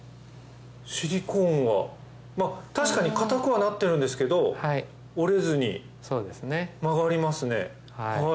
シリコーンは確かに硬くはなってるんですけど折れずに曲がりますね。